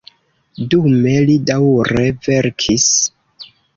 Dume li daŭre verkis.